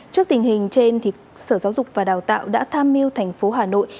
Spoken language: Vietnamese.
trước tình hình trên sở giáo dục và đào tạo đã tham mưu thành phố hà nội